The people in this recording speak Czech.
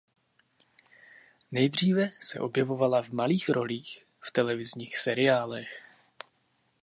Nejdříve se objevovala v malých rolích v televizních seriálech.